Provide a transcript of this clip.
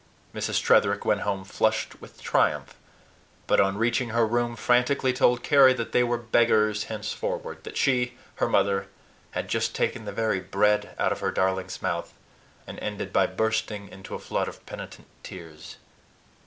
Mrs. Tretherick went home flushed with triumph, but on reaching her room frantically told Carry that they were beggars henceforward; that she her mother had just taken the very bread out of her darling's mouth, and ended by bursting into a flood of penitent tears.